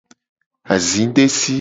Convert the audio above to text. Azidesi.